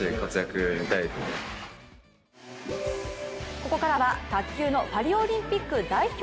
ここからは卓球のパリオリンピック代表